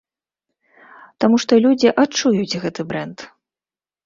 Таму што людзі адчуюць гэты брэнд.